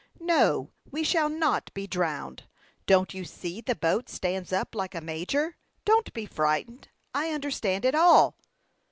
"No, we shall not be drowned. Don't you see the boat stands up like a major? Don't be frightened. I understand it all."